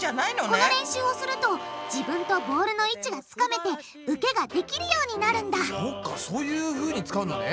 この練習をすると自分とボールの位置がつかめて受けができるようになるんだそっかそういうふうに使うんだね。